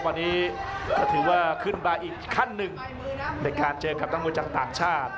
วันนี้ก็ถือว่าขึ้นมาอีกขั้นหนึ่งในการเจอกับนักมวยจากต่างชาติ